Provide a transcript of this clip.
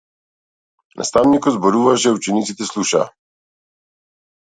Наставникот зборуваше а учениците слушаа.